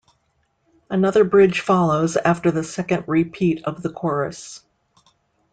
Another bridge follows after the second repeat of the chorus.